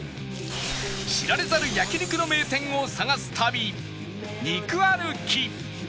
知られざる焼肉の名店を探す旅肉歩き